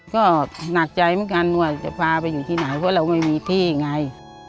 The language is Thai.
ก็หนักใจเหมือนกันว่าจะพาไปอยู่ที่ไหนเพราะเราไม่มีที่ไง